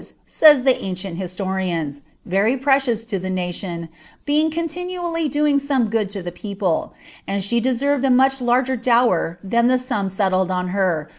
«« tt aooieiil historians, » very precious to the nation, being cuntinaally taf some eood lo the people ; and site deserved a ranch larger dowar llMa the sum sellled on her.